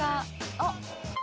あっ。